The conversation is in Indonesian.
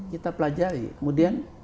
kita pelajari kemudian